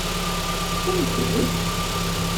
Teččamt-tt?